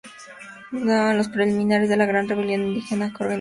En los preliminares de la gran rebelión indígena que organizó Manco Inca.